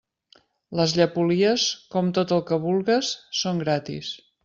Les llepolies, com tot el que vulgues, són gratis.